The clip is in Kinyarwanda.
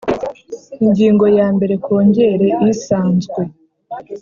Ingingo ya mbere Kongere isanzwe